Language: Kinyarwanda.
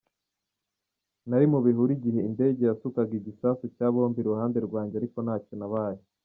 "Nari mu bihuru igihe indege yasukaga igisasu cya bombe iruhande rwanjye ariko ntacyo nabaye.